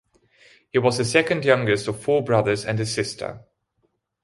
He was the second youngest of four brothers and a sister.